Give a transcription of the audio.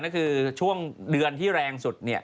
นั่นคือช่วงเดือนที่แรงสุดเนี่ย